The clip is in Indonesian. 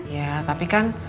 ya tapi kan